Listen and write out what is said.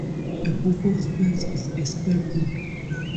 A book of spells is a spellbook.